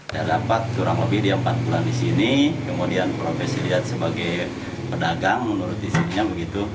dia dapat kurang lebih empat bulan di sini kemudian profesi dia sebagai pedagang menurut isinya begitu